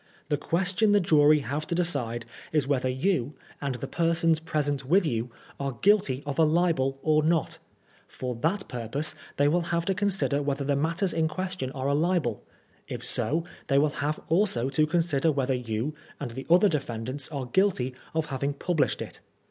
The question the jury have to decide is whether you, and the persons present with you, are guilty of a libel or not For that purpose they will have to consider whether the matters in question are a libel. K so, they will have also to consider whether you and the other defendants are guilty of having published it.